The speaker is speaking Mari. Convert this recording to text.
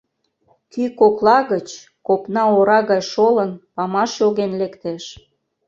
Кӱ кокла гыч, копна ора гай шолын, памаш йоген лектеш.